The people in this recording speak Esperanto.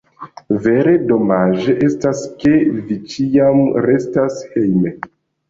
Vere, domaĝe estas, ke vi ĉiam restas hejme.